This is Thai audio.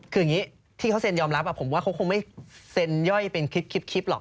คืออย่างนี้ที่เขาเซ็นยอมรับผมว่าเขาคงไม่เซ็นย่อยเป็นคลิปหรอก